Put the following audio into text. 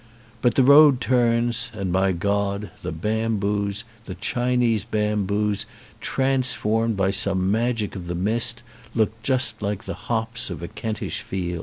But the road turns and my God, the bamboos, the Chinese bamboos, transformed by some magic of the mist, look just like the hops of a Kentish field.